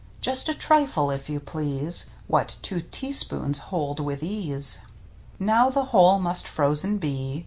Just a trifle, if you please, What two teaspoons hold with ease. Now the whole must frozen be.